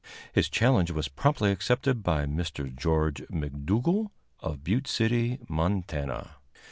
His challenge was promptly accepted by Mr. Geo. McDougall, of Butte City, Montana.